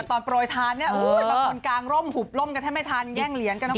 แต่ตอนโปรยทานประคุณกางร่มหุบร่มกันให้ไม่ทานแย่งเหรียญกับน้องกุญ